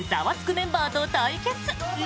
メンバーと対決！